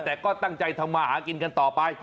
แต่ก็ตั้งใจทำมาหากินกันต่อไป